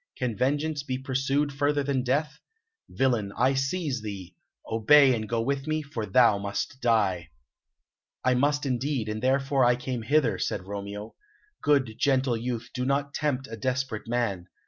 Can vengeance be pursued further than death? Villain, I seize thee! Obey, and go with me, for thou must die." "I must indeed, and therefore came I hither," said Romeo. "Good, gentle youth, do not tempt a desperate man.